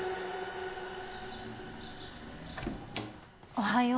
・おはよう。